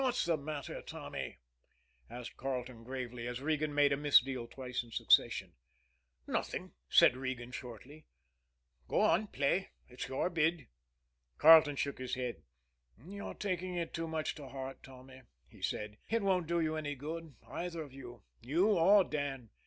"What's the matter, Tommy?" asked Carleton gravely, as Regan made a misdeal twice in succession. "Nothing," said Regan shortly. "Go on, play; it's your bid." Carleton shook his head. "You're taking it too much to heart, Tommy," he said. "It won't do you any good either of you you or Dan.